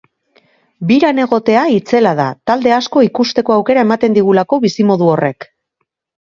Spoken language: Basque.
Biran egotea itzela da, talde asko ikusteko aukera ematen digulako bizimodu horrek.